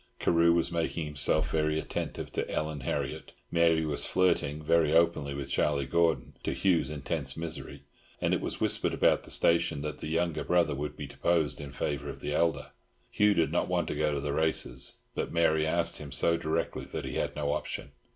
Carew was making himself very attentive to Ellen Harriott, Mary was flirting very openly with Charlie Gordon, to Hugh's intense misery; and it was whispered about the station that the younger brother would be deposed in favour of the elder. Hugh did not want to go to the races, but Mary asked him so directly that he had no option.